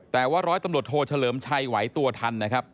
แต่ว่าร้อยตำรวจโทเฉลิมชัยไหวตัวทันนะครับ